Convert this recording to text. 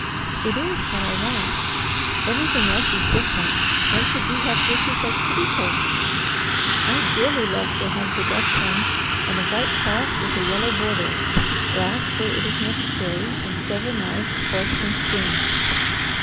"It is what I want. Everything else is different; why should we have dishes like city folk? I'd dearly love to have the Dutch ones, and a white cloth with a yellow border, glass where it is necessary, and silver knives, forks, and spoons."